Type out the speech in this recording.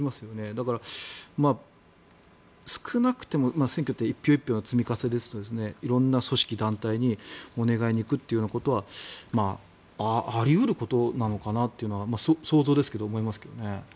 だから、少なくとも選挙と言ったら１票１票の積み重ねですから色んな組織、団体にお願いに行くということはあり得ることなのかなっていうのは想像ですけど、思いますけどね。